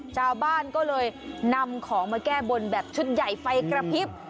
ชาวบ้านก็เลยนำของมาแก้บนแบบชุดใหญ่ไฟกระพริบ